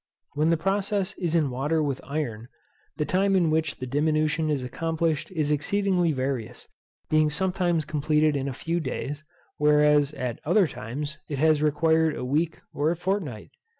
When the process is in water with iron, the time in which the diminution is accomplished is exceedingly various; being sometimes completed in a few days, whereas at other times it has required a week or a fortnight.